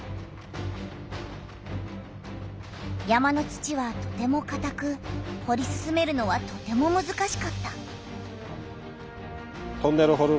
山の土はとてもかたくほり進めるのはとてもむずかしかった。